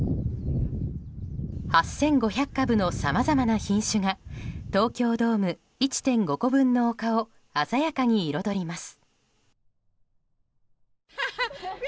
８５００万株のさまざまな品種が東京ドーム１．５個分の丘を鮮やかに彩ります。